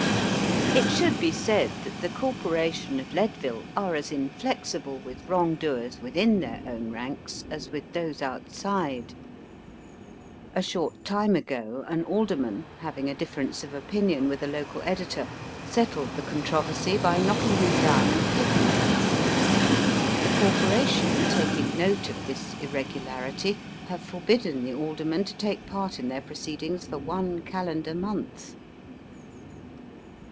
It should be said that the corporation of Leadville are as inflexible with wrongdoers within their own ranks as with those outside. A short time ago an alderman, having a differ ence of opinion with a local editor, settled the controversy by knocking him down and kick ing him. The corporation, taking note of this irregularity, have forbidden the alderman to take part in their proceedings for one calendar month.